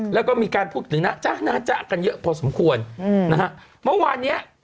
แล้วก็มีการพูดถึงนะจ๊ะนะจ๊ะกันเยอะพอสมควรอืมนะฮะเมื่อวานเนี้ย